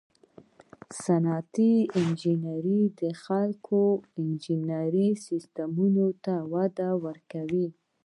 صنعتي انجینران د خلکو او انرژي سیسټمونو ته وده ورکوي.